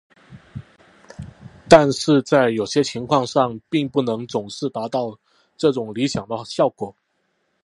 但是在有些情况上并不能总是达到这种理想的效果。